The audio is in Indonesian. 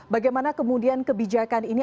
bagaimana kemudian kebijakan ini